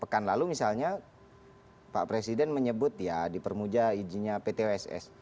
pekan lalu misalnya pak presiden menyebut ya dipermuja izinnya pt oss